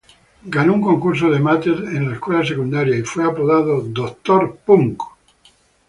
Ganó un concurso de mates en la escuela secundaria y fue apodado "Dr. Dunk".